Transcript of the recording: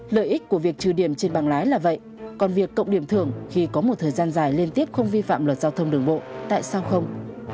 lợi ích của việc trừ điểm trên bảng lái là vậy còn việc cộng điểm thường khi có một thời gian dài liên tiếp không vi phạm luật giao thông đường bộ tại sao không